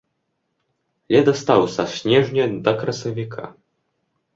Ледастаў са снежня да красавіка.